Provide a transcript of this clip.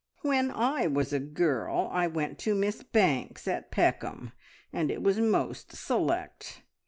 When I was a girl I went to Miss Banks at Peckham, and it was most select.